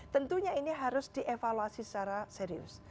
tentunya ini harus dievaluasi secara serius